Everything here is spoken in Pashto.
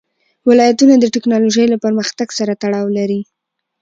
ولایتونه د تکنالوژۍ له پرمختګ سره تړاو لري.